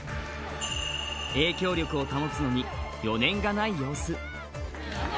影響力を保つのに余念がない様子。